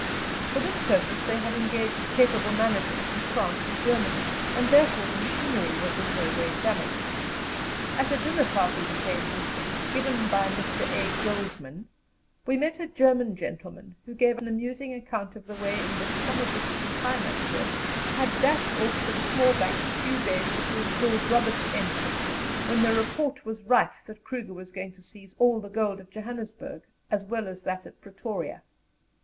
For this purpose they had engaged capable managers from France and Germany, and therefore the machinery was in no way damaged. At a dinner party the same evening, given by Mr. A. Goldmann, we met a German gentleman who gave an amusing account of the way in which some of the city financiers had dashed off to the small banks a few days before Lord Roberts's entry, when the report was rife that Kruger was going to seize all the gold at Johannesburg as well as that at Pretoria.